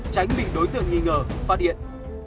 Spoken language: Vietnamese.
tránh bị đối tượng nghi ngờ phát hiện